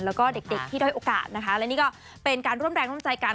แล้วก็เด็กที่ด้อยโอกาสนะคะและนี่ก็เป็นการร่วมแรงร่วมใจกัน